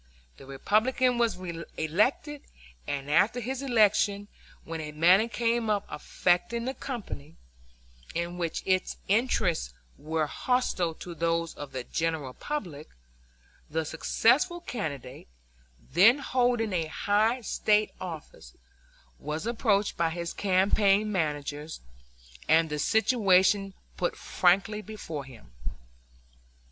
The Republican was elected, and after his election, when a matter came up affecting the company, in which its interests were hostile to those of the general public, the successful candidate, then holding a high State office, was approached by his campaign managers and the situation put frankly before him.